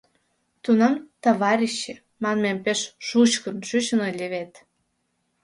Тунам «товарищи» манме пеш «шучкын» чучын ыле вет.